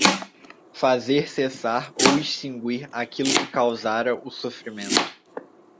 Fazer cessar ou extinguir aquilo que causara o sofrimento